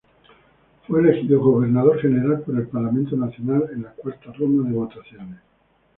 Fue elegido Gobernador General por el Parlamento Nacional en la cuarta ronda de votaciones.